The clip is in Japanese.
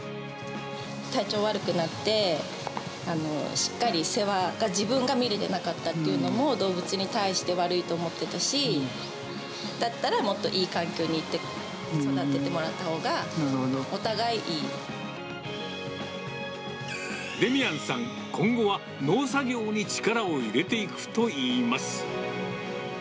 体調悪くなって、しっかり世話が自分が見れてなかったっていうのも、動物に対して、悪いと思ってたし、だったら、もっといい環境に行って、育ててデミアンさん、今後は農作業に力を入れていくといいます。